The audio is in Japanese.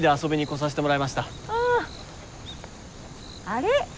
あれ？